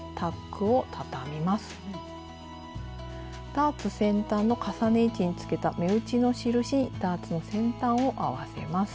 ダーツ先端の重ね位置につけた目打ちの印にダーツの先端を合わせます。